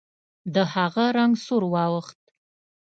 د هغه رنګ سور واوښت.